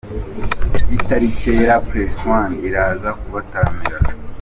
Bitari kera press One iraza kubataramira.